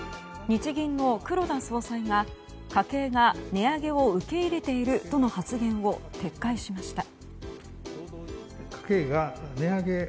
日銀の黒田総裁が家計が値上げを受け入れているとの発言を撤回しました。